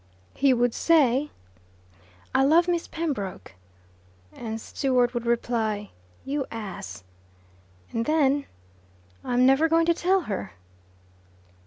He would say, "I love Miss Pembroke." and Stewart would reply, "You ass." And then. "I'm never going to tell her."